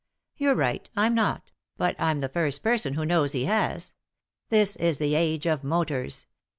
" You're right, I'm not — but I'm the first person who knows he has. This is the age of motors.